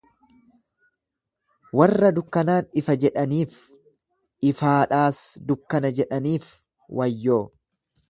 Warra dukkanaan ifa jedhaniif, ifaadhaas dukkana jedhaniif wayyoo!